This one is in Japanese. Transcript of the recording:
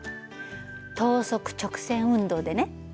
等速直線運動でね。